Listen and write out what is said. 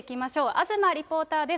東リポーターです。